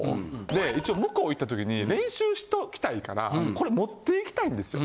で一応向こう行った時に練習しときたいからこれ持って行きたいんですよ。